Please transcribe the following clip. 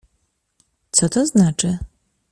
"Co to znaczy?"